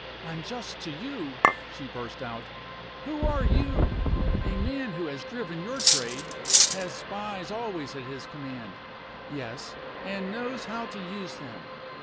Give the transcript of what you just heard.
"Unjust to You!" she burst out. "Who are You? A man who has driven your trade has spies always at his command yes! and knows how to use them.